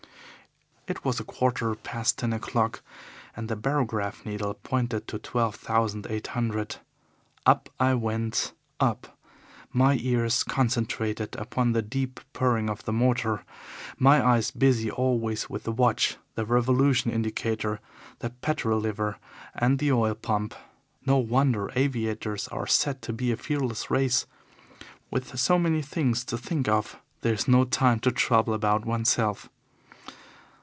It was a quarter past ten o'clock, and the barograph needle pointed to twelve thousand eight hundred. Up I went and up, my ears concentrated upon the deep purring of my motor, my eyes busy always with the watch, the revolution indicator, the petrol lever, and the oil pump. No wonder aviators are said to be a fearless race. With so many things to think of there is no time to trouble about oneself.